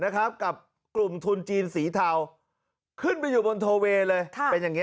กับกลุ่มทุนจีนสีเทาขึ้นไปอยู่บนโทเวย์เลยเป็นอย่างนี้